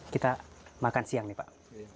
kita makan siang nih pak